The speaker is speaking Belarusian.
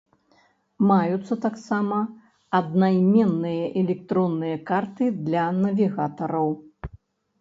Маюцца таксама аднайменныя электронныя карты для навігатараў.